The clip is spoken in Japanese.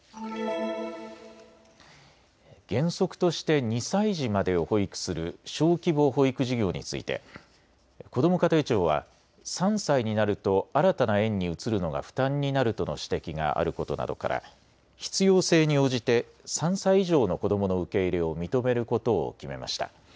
原則として２歳児までを保育する小規模保育事業についてこども家庭庁は３歳になると新たな園に移るのが負担になるとの指摘があることなどから必要性に応じて３歳以上の子どもの受け入れを認めることを決めました。